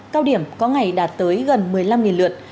cao điểm có ngày đạt tới gần một mươi năm lượt